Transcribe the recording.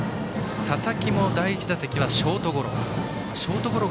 佐々木も第１打席はショートゴロ。